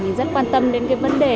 mình rất quan tâm đến cái vấn đề